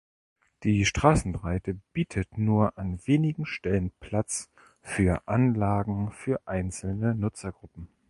Die Straßenbreite bietet nur an wenigen Stellen Platz für Anlagen für einzelne Nutzergruppen.